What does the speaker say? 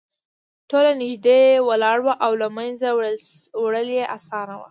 ټول نږدې ولاړ وو او له منځه وړل یې اسانه وو